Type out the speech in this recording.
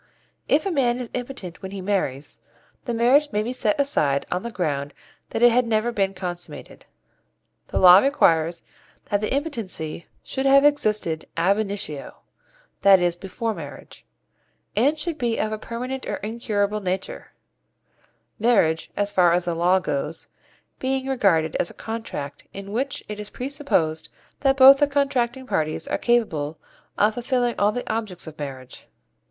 If a man is impotent when he marries, the marriage may be set aside on the ground that it had never been consummated. The law requires that the impotency should have existed ab initio that is, before marriage and should be of a permanent or incurable nature; marriage, as far as the law goes, being regarded as a contract in which it is presupposed that both the contracting parties are capable of fulfilling all the objects of marriage.